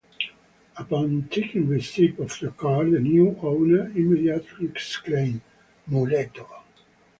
Upon taking receipt of the car, the new owner immediately exclaimed, muletto!